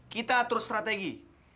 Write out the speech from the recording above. kita atur strategi